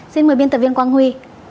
xin mời biên tập viên quang huy